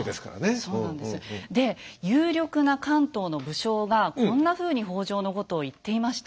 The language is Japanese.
で有力な関東の武将がこんなふうに北条のことを言っていました。